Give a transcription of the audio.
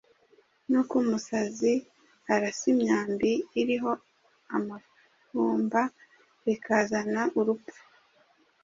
Nk’uko umusazi arasa imyambi iriho amafumba bikazana urupfu,